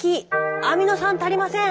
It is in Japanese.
アミノ酸足りません！」。